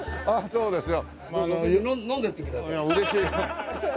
そうですね。